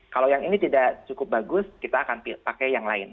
kalau yang ini tidak cukup bagus kita akan pakai yang lain